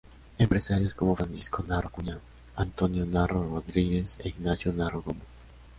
Empresarios como Francisco Narro Acuña, Antonio Narro Rodríguez e Ignacio Narro Gómez.